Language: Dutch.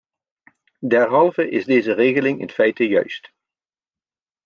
Derhalve is deze regeling in feite juist.